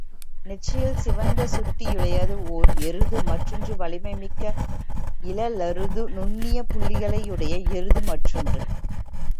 நெற்றியில் சிவந்த சுட்டியுடையது ஒர் எருது மற்றொன்று வலிமை மிக்க இளளருது நுண்ணிய புள்ளிகளையுடைய எருது மற்றொன்று.